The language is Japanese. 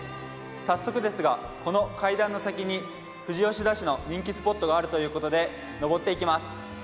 早速ですが、この階段の先に富士吉田市の人気スポットがあるということで上っていきます。